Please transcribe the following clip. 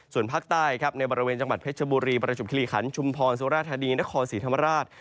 ส่วนภาคใต้ครับในบริเวณจังหวัดเพชรบุรีประจบคิริขันชุมพรสุราธานีนครศรีธรรมราช